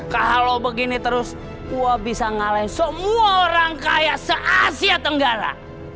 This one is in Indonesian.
kalau begini terus wah bisa ngalahin semua orang kaya se asia tenggara